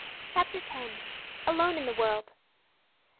'" CHAPTER XI. ALONE IN THE WORLD.